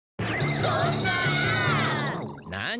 そんな！